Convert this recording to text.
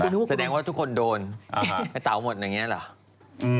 นั่นแสดงพอแต่ละวันก่อนพี่ตาวหมดอย่างนี้หรือ